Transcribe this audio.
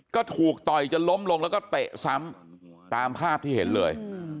ก็ถูกต่อยจนล้มลงแล้วก็เตะซ้ำตามภาพที่เห็นเลย